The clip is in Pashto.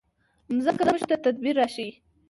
مځکه موږ ته تدبر راښيي.